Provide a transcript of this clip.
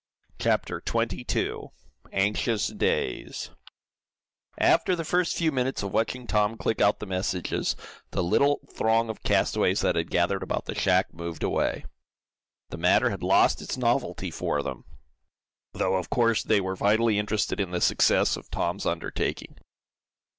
CHAPTER XXII ANXIOUS DAYS After the first few minutes of watching Tom click out the messages, the little throng of castaways that had gathered about the shack, moved away. The matter had lost its novelty for them, though, of course, they were vitally interested in the success of Tom's undertaking.